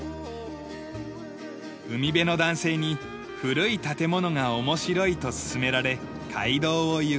海辺の男性に古い建物が面白いと勧められ街道をゆく。